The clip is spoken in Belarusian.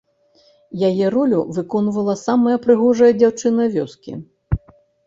Яе ролю выконвала самая прыгожая дзяўчына вёскі.